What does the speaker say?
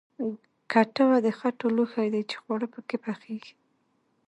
کټوه د خټو لوښی دی چې خواړه پکې پخیږي